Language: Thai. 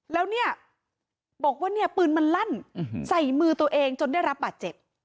แล้วเนี่ยบอกว่าเนี่ยปืนมันลั่นใส่มือตัวเองจนได้รับบาดเจ็บ